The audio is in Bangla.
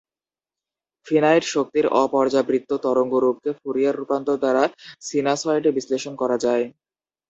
ফিনাইট-শক্তির অ-পর্যাবৃত্ত তরঙ্গরূপকে ফুরিয়ার রূপান্তর দ্বারা সিনাসয়েডে বিশ্লেষণ করা যায়।